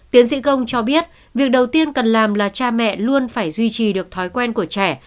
tiến sĩ công cho biết việc đầu tiên cần làm là cha mẹ luôn phải duy trì được thói quen của trẻ